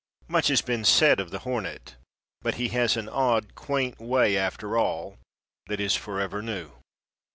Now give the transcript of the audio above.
Much has been said of the hornet, but he has an odd, quaint way after all, that is forever new.